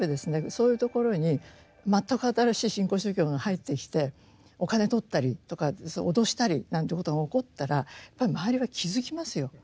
そういうところに全く新しい新興宗教が入ってきてお金取ったりとか脅したりなんていうことが起こったらやっぱり周りは気付きますよ。